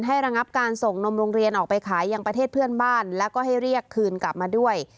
ระงับการส่งนมโรงเรียนออกไปขายอย่างประเทศเพื่อนบ้านแล้วก็ให้เรียกคืนกลับมาด้วย